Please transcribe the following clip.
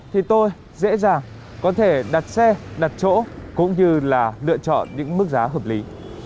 thì tôi dễ dàng có thể đặt xe đặt chỗ cũng như là lựa chọn những mức giá hợp lý